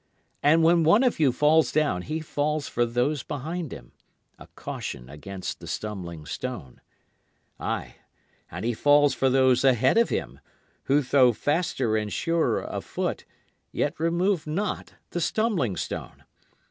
And when one of you falls down he falls for those behind him, a caution against the stumbling stone. Ay, and he falls for those ahead of him, who though faster and surer of foot, yet removed not the stumbling stone.